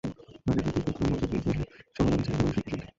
কাজের প্রতি পূর্ণ মনোযোগ দিতে চাইলে সবার আগে চাই মানসিক প্রশান্তি।